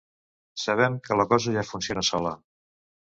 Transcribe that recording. Sabem que la cosa ja funciona sola.